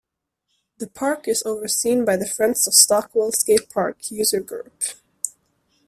The park is overseen by the Friends of Stockwell Skatepark user group.